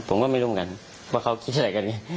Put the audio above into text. ผมก็ไม่รู้กันว่าเขาคิดอะไรกัน